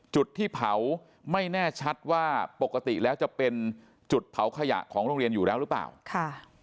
จุดที่เผาไม่แน่ชัดว่าปกติแล้วจะเป็นจุดเผาขยะของโรงเรียนอยู่แล้วหรือเปล่าค่ะ